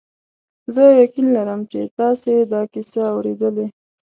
زه یقین لرم چې تاسي دا کیسه اورېدلې.